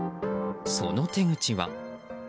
その手口は。